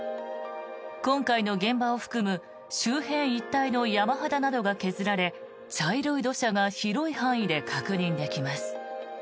今回の現場を含む周辺一帯の山肌などが削られ茶色い土砂が広い範囲で確認できます。